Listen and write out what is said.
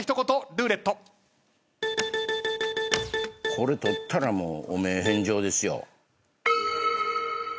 これ取ったらもう汚名返上ですよ。